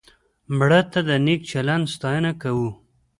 مړه ته د نیک چلند ستاینه کوو